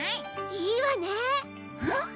いいわねえ！